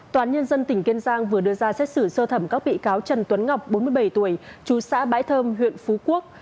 tòa án nhân dân tỉnh kiên giang vừa đưa ra xét xử sơ thẩm các bị cáo trần tuấn ngọc bốn mươi bảy tuổi chú xã bãi thơm huyện phú quốc